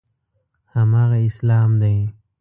هماغه اسلام دی.